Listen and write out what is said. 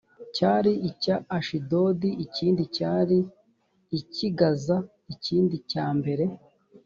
cyari icya ashidodi ikindi cyari icy i gaza ikindi cyambere